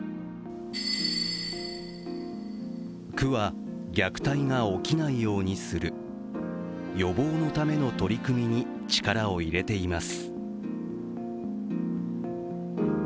区は虐待が起きないようにする予防のための取り組みに力を入れています。